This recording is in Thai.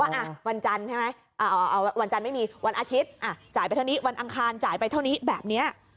ว่าวันจันทร์ใช่ไหมวันอาทิตย์จ่ายไปเท่านี้วันอังคารจ่ายไปเท่านี้แบบนี้